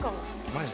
マジ？